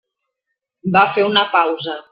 Va fer una pausa.